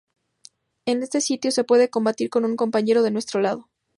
En este sitio se puede combatir con un compañero de nuestro lado.